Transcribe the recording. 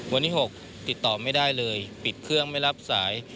วันที่๖ติดต่อไม่ได้เลยปิดเครื่องไม่รับสาย